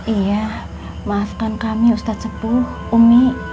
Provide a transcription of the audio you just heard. iya maafkan kami ustadz sepuh umi